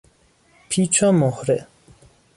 پیچ و مهره